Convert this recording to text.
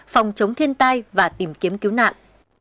phòng chống thiên tai và tìm kiếm cứu nạn